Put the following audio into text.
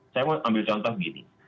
saya mau ambil contoh begini